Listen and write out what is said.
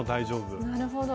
なるほど。